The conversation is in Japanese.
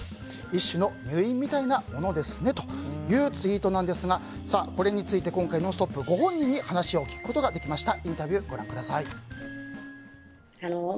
一種の入院みたいなものですねというツイートなんですがこれについて、今回「ノンストップ！」ご本人に話を聞くことができました。